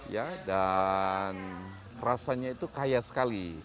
ya dan rasanya itu kaya sekali